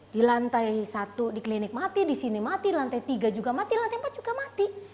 di lantai satu di klinik mati di sini mati lantai tiga juga mati lantai empat juga mati